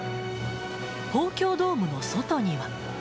東京ドームの外には。